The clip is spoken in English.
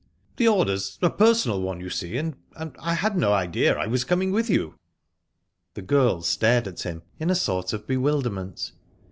"The order's a personal one, you see, and I had no idea I was coming with you." The girl stared at him in a sort of bewilderment.